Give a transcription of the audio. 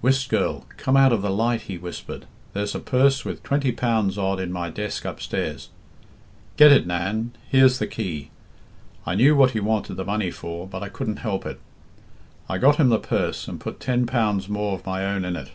"'Whist, girl, come out of the light,' he whispered. 'There's a purse with twenty pounds odd in my desk upstairs; get it, Nan, here's the key.' I knew what he wanted the money for, but I couldn't help it; I got him the purse and put ten pounds more of my own in it.